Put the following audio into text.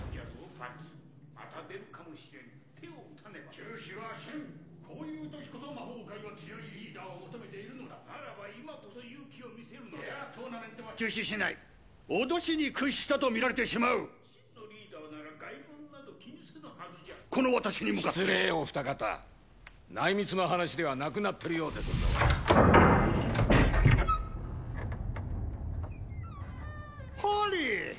ファッジまた出るかもしれぬ手を打たねば中止はせんこういう時こそ魔法界は強いリーダーを求めているのだならば今こそ勇気を見せるのじゃいやトーナメントは中止しない脅しに屈したと見られてしまう真のリーダーなら外聞など気にせぬはずじゃこの私に向かって失礼お二方内密の話ではなくなってるようですぞハリー！